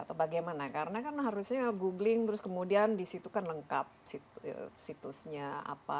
atau bagaimana karena kan harusnya googling terus kemudian disitu kan lengkap situsnya apa